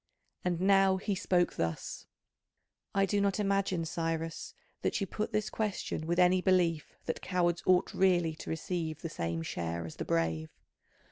And now he spoke thus: "I do not imagine, Cyrus, that you put this question with any belief that cowards ought really to receive the same share as the brave.